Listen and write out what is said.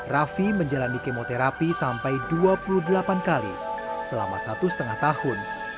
raffi menjalani kemoterapi sampai dua puluh delapan kali selama satu setengah tahun